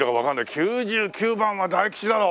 ９９番は大吉だろ！